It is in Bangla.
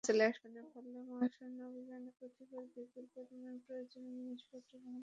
ফলে মহাশূন্য অভিযানে প্রতিবার বিপুল পরিমাণ প্রয়োজনীয় জিনিসপত্র বহন করার প্রয়োজন ফুরাবে।